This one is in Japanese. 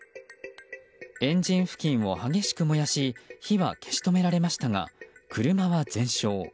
エンジン付近を激しく燃やし火は消し止められましたが車は全焼。